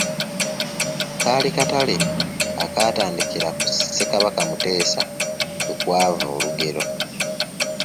Kaali katale akaatandikira ku Ssekabaka Muteesa kwe kwava olugero.